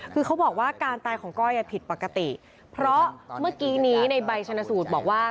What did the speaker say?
คือเขาบอกว่าการตายของก้อยผิดปกติเพราะเมื่อกี้นี้ในใบชนสูตรบอกว่า